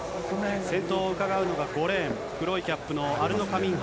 先頭をうかがうのが５レーン、黒いキャップのアルノ・カミンハ。